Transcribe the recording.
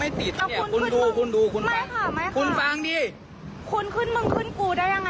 หน่วยคนเดียวแต่คุณมาขึ้นเมืองขึ้นครูมันไม่ถูกนะฮะ